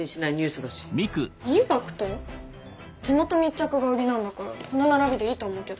地元密着が売りなんだからこの並びでいいと思うけど。